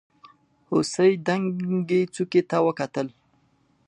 هوسۍ دنګې څوکې ته وکتل.